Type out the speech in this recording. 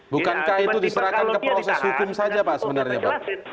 bukankah itu diserahkan ke proses hukum saja pak sebenarnya pak